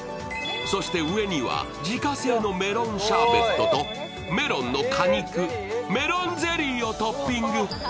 そして、上には自家製のメロンシャーベットとメロンの果肉、メロンゼリーをトッピング。